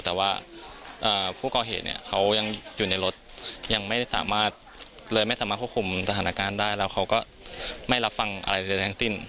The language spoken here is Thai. แต่ว่าผู้ก่อเหตุเนี่ยเขายังอยู่ในรถยังไม่สามารถเลยไม่สามารถควบคุมสถานการณ์ได้แล้วเขาก็ไม่รับฟังอะไรใดทั้งสิ้น